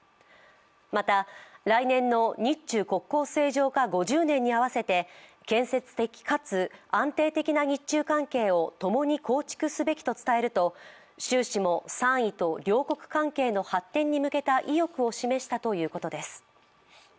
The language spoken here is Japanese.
また、来年の日中国交正常化５０年に合わせて建設的かつ安定的な日中関係をともに構築すべきと伝えると習氏も賛意と両国関係の発展に向けた意欲を示したということです。